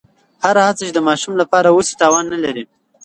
هره هڅه چې د ماشوم لپاره وشي، تاوان نه اړوي.